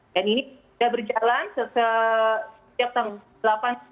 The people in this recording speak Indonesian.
dan ini sudah berjalan setiap tangguh